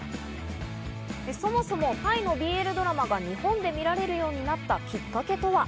そもそもタイのＢＬドラマが日本で見られるようになったきっかけとは？